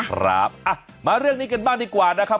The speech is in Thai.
ครับมาเรื่องนี้กันบ้างดีกว่านะครับ